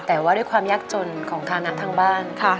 แต่ว่าด้วยความยากจนของฐานะทางบ้าน